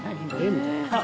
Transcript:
みたいな。